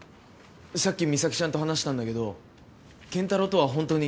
さっき美咲ちゃんと話したんだけど健太郎とは本当に。